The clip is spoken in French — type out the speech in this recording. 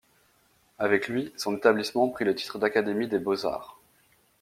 Avec lui, son établissement prit le titre d'Académie des beaux-arts.